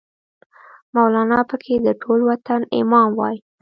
مولانا پکې د ټول وطن امام وای